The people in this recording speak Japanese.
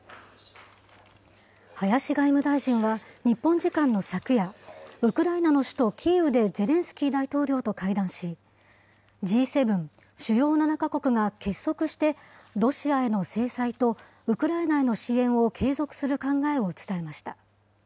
林外務大臣は、日本時間の昨夜、ウクライナの首都キーウでゼレンスキー大統領と会談し、Ｇ７・主要７か国が結束してロシアへの制裁とウクライナへの支援を継続する考えを伝えました。